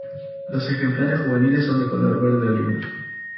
Los ejemplares juveniles son de color verde oliva.